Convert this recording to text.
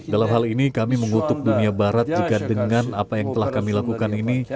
dalam hal ini kami mengutuk dunia barat jika dengan apa yang telah kami lakukan ini